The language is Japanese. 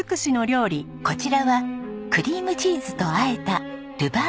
こちらはクリームチーズとあえたルバーブディップです。